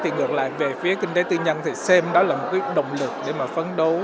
ngược lại về phía kinh tế tư nhân xem đó là một động lực để phấn đấu